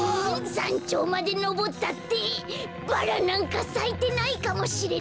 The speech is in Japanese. さんちょうまでのぼったってバラなんかさいてないかもしれないのに。